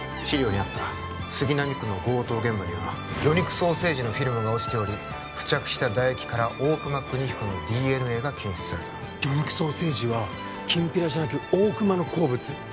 資料にあった杉並区の強盗現場には魚肉ソーセージのフィルムが落ちており付着した唾液から大熊邦彦のＤＮＡが検出された魚肉ソーセージはきんぴらじゃなく大熊の好物？